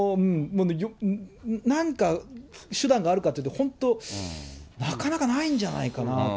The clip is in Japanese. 何か手段があるかというと本当、なかなかないんじゃないかなと。